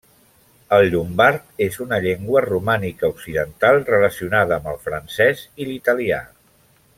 El llombard és una llengua romànica occidental relacionada amb el francès i l'italià.